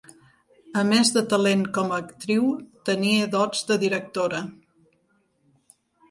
A més de talent com a actriu, tenia dots de directora.